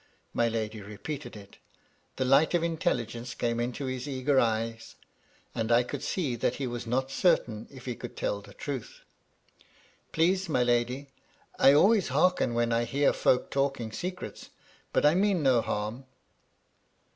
My lady re peated it. The light of intelligence came into his eager eyes, and I could see that he was not certain if he could tell the truth. "Please, my lady, I always hearken when I hear folk talking secrets ; but I mean no harm."